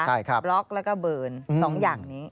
ใช่ครับบล็อกแล้วก็เบิร์น๒อย่างนี้